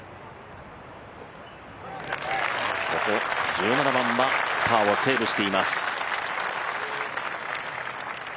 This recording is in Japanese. １７番はパーをセーブしています。